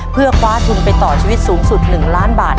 เพื่อคว้าทุนไปต่อชีวิตสูงสุด๑ล้านบาท